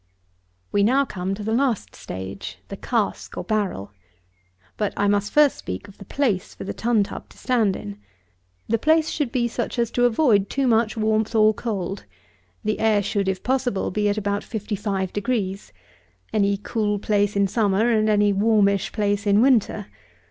49. We now come to the last stage; the cask or barrel. But I must first speak of the place for the tun tub to stand in. The place should be such as to avoid too much warmth or cold. The air should, if possible, be at about 55 degrees. Any cool place in summer and any warmish place in winter.